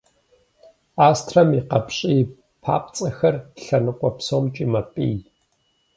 Астрэм и къапщӏий папцӏэхэр лъэныкъуэ псомкӏи мэпӏий.